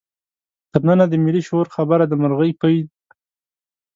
تر ننه د ملي شعور خبره د مرغۍ پۍ ده.